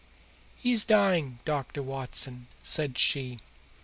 "He's dying, Dr. Watson," said she.